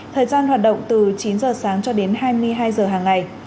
thời gian hoạt động từ chín giờ sáng cho đến hai mươi hai giờ hàng ngày